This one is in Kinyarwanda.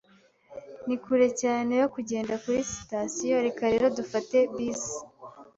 Ni kure cyane yo kugenda kuri sitasiyo, reka rero dufate bus.